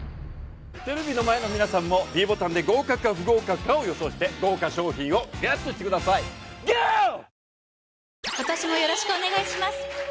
テレビの前の皆さんもｄボタンで合格か不合格かを予想して豪華賞品をＧＥＴしてくださいゴー！